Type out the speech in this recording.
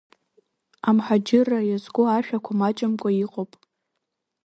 Амҳаџьырра иазку ашәақәа маҷымкәа иҟоуп.